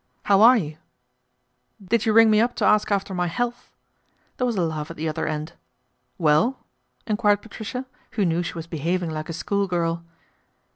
" How are you ?"" Did you ring me up to ask after my health ?" There was a laugh at the other end. " Well !" enquired Patricia, who knew she was behaving like a schoolgirl.